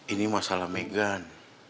ini masalah megan